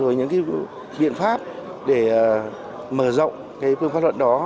rồi những biện pháp để mở rộng phương pháp luận đó